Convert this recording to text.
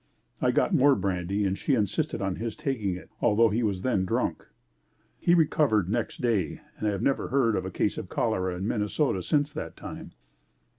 I got more brandy and she insisted on his taking it, altho' he was then drunk. He recovered next day and I have never heard of a case of cholera in Minnesota since that time.